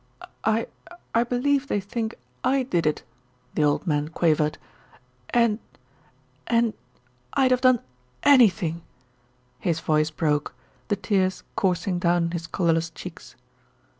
"I I believe they think I did it," the old man quavered, "and and I'd have done anything " His voice broke, the tears coursing down his colourless cheeks.